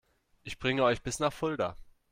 Ich bringe euch bis nach Fulda